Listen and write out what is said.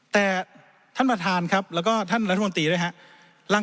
แต่ท่านประธานครับแล้วก็ท่านรัฐมนตรีด้วยครับ